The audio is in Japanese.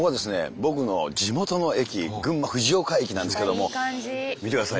僕の地元の駅群馬藤岡駅なんですけども見てください！